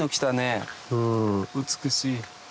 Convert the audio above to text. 美しい。